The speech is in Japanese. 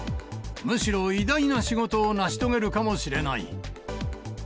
むしろ偉大な仕事を成し遂げるかもしれない。